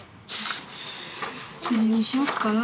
何にしよっかな。